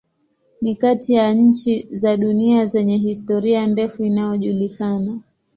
Ni kati ya nchi za dunia zenye historia ndefu inayojulikana.